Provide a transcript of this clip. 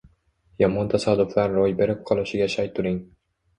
Yomon tasodiflar ro‘y berib qolishiga shay turing.